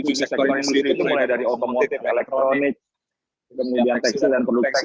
jadi tujuh sektor indonesia itu mulai dari otomotif elektronik kemudian teksil dan produk teksil